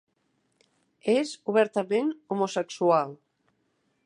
És obertament homosexual.